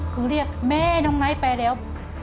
คือเรียกแม่น้องไนท์ไปแล้ว